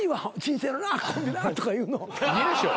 いいでしょ。